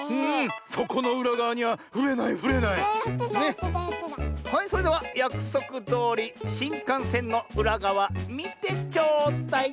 はいそれではやくそくどおりしんかんせんのうらがわみてちょうだい！